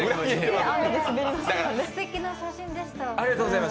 すてきな写真でした。